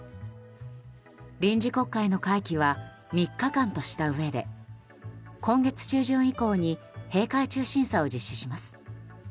臨時国会の会期は３日間としたうえで今月中旬以降に閉会中審査を実施します。